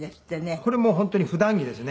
これもう本当に普段着ですね。